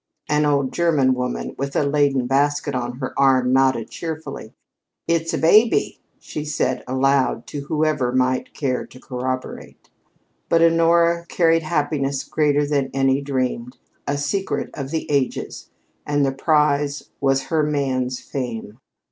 An old German woman, with a laden basket on her arm nodded cheerfully. "It's a baby," she said aloud to whoever might care to corroborate. But Honora carried happiness greater than any dreamed, a secret of the ages, and the prize was her man's fame.